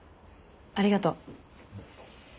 ありがとう。